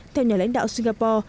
theo nhà lãnh đạo singapore